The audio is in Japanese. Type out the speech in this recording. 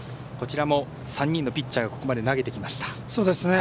こちらも３人のピッチャーがここまで投げてきました。